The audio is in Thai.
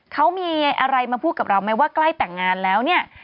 เขามีอะไรมาพูดกับเราไหมว่าใกล้แต่งงานแล้วเนี่ย